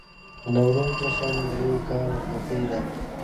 د نوروز جشن د نوي کال خوښي ده.